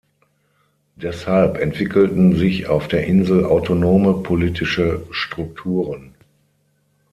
Deshalb entwickelten sich auf der Insel autonome politische Strukturen.